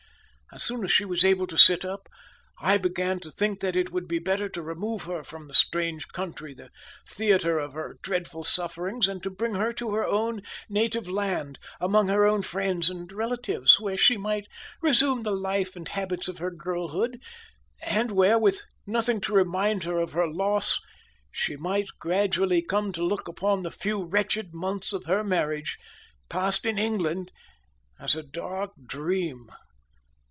As soon as she was able to sit up, I began to think that it would be better to remove her from the strange country, the theatre of her dreadful sufferings, and to bring her to her own native land, among her own friends and relatives, where she might resume the life and habits of her girlhood, and where, with nothing to remind her of her loss, she might gradually come to look upon the few wretched months of her marriage, passed in England, as a dark dream.